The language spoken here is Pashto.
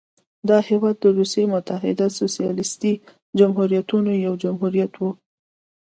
دا هېواد د روسیې متحده سوسیالیستي جمهوریتونو یو جمهوریت و.